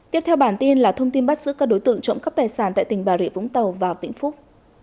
tiếp theo bản tin là thông tin bắt giữ các đối tượng trộm cắp tài sản tại tỉnh bà rịa vũng tàu và vĩnh phúc